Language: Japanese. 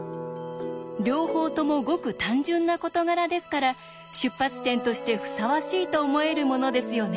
両方ともごく単純な事柄ですから出発点としてふさわしいと思えるものですよね。